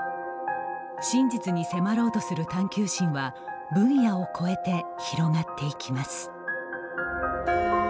真実に迫ろうとする探求心は分野を超えて広がっていきます。